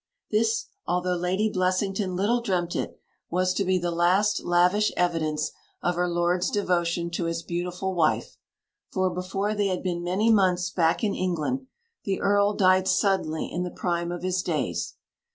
This, although Lady Blessington little dreamt it, was to be the last lavish evidence of her lord's devotion to his beautiful wife; for, before they had been many months back in England the Earl died suddenly in the prime of his days.